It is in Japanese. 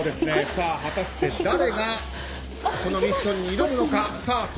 果たして、誰がこのミッションに挑むのか。